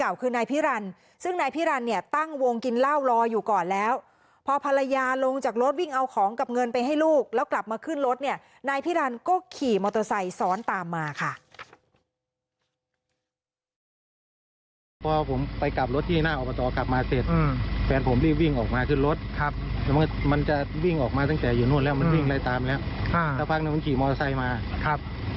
วิ่งเอาของกับเงินไปให้ลูกแล้วกลับมาขึ้นรถเนี่ยนายพีรันก็ขี่มอเตอร์ไซค์ซ้อนตามมาค่ะ